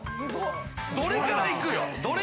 どれから行くよ。